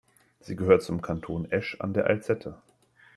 Sie gehört zum Kanton Esch an der Alzette.